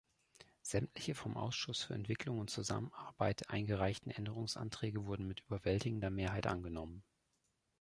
Sämtliche vom Ausschuss für Entwicklung und Zusammenarbeit eingereichten Änderungsanträge wurden mit überwältigender Mehrheit angenommen.